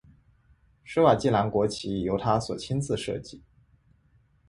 史瓦济兰国旗由他所亲自设计。